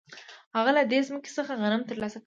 هغه له دې ځمکې څخه غنم ترلاسه کوي